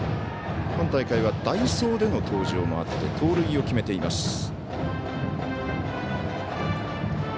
今大会は代走での登場もあって盗塁を決めています。